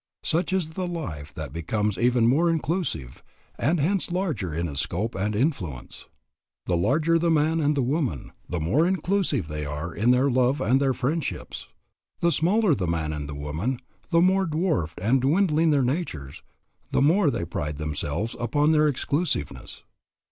Such is the life that becomes ever more inclusive, and hence larger in its scope and influence. The larger the man and the woman, the more inclusive they are in their love and their friendships. The smaller the man and the woman, the more dwarfed and dwindling their natures, the more they pride themselves upon their "exclusiveness."